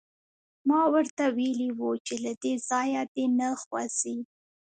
ما ورته ویلي وو چې له دې ځایه دې نه خوځي